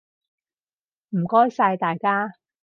唔該晒大家！